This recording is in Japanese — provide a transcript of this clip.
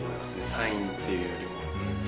サインっていうよりも。